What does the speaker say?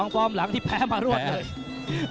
ฟอร์มหลังที่แพ้มารวดเลย